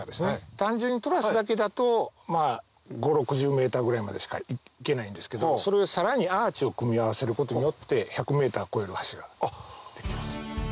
単純にトラスだけだとまぁ５０６０ｍぐらいまでしか行けないんですけどそれをさらにアーチを組み合わせることによって１００ｍを超える橋が出来てます。